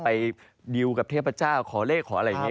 ดิวกับเทพเจ้าขอเลขขออะไรอย่างนี้